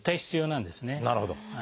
なるほど。